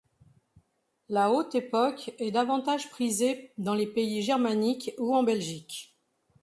La Haute Époque est davantage prisée dans les pays germaniques ou en Belgique.